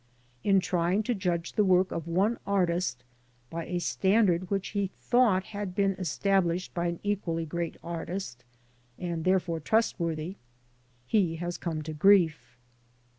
In trying to judge the work of one artist by a standard which he thought had been established by an equally great artist (and therefore trustworthy) he has come to grief.